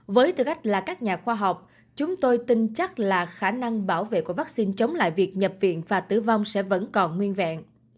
với tư cách là các nhà khoa học chúng tôi tin chắc là khả năng bảo vệ của vaccine chống lại việc nhập viện và tử vong sẽ vẫn còn nguyên vẹn